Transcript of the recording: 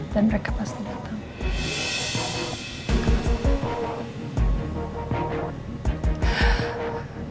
dan mereka pasti datang